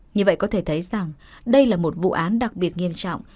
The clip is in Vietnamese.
như vậy có thể thấy rằng đây là một vụ án đặc biệt nghiêm trọng